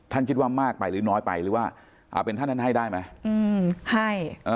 คิดว่ามากไปหรือน้อยไปหรือว่าเป็นท่านนั้นให้ได้ไหมให้